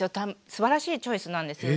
すばらしいチョイスなんですよね。